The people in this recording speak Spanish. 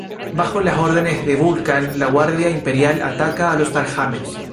Bajo las órdenes de Vulcan, la Guardia Imperial ataca a los Starjammers.